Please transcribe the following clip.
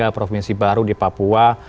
provinsi baru di papua